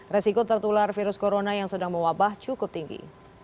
resiko tertular virus corona yang sedang mewabah cukup tinggi